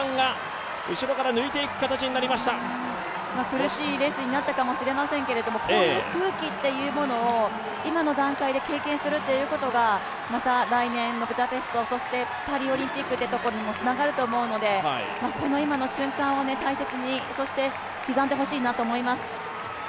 苦しいレースになったかもしれませんけど、こういう空気を今の段階で経験するということがまた来年のブタペストそしてパリオリンピックにもつながると思うのでこの今の瞬間を大切に刻んでほしいなと思います。